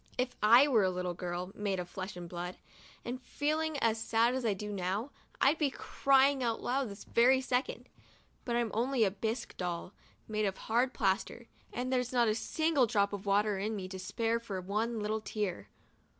If I were a little girl, made of flesh and blood, and feeling as sad as I do now, I'd be crying out loud this very second ; but I'm only a bisque doll, made of hard plaster, and there's not a single drop of water in me to spare for one little tear.